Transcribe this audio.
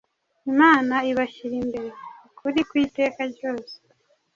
Imana ibashyira imbere ukuri kw’iteka ryose-